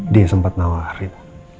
dia sempat nawarin